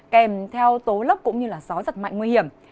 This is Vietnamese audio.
kèm theo tố lấp cũng như là gió giật mạnh nguy hiểm